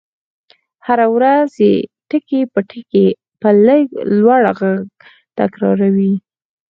هره ورځ يې ټکي په ټکي په لږ لوړ غږ تکراروئ.